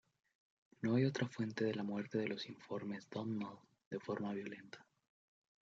No hay otra fuente de la muerte de los informes Domnall de forma violenta.